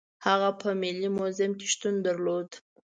هغه په ملي موزیم کې شتون درلود.